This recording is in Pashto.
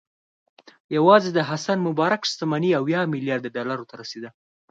یوازې د حسن مبارک شتمني اویا میلیارده ډالرو ته رسېده.